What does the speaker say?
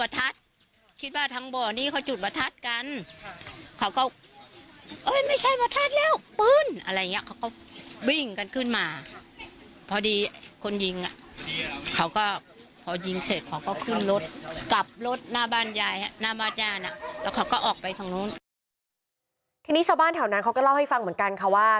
ทีนี้ชาวบ้านแถวนั้นเขาก็เล่าให้ฟังเหมือนกันค่ะว่า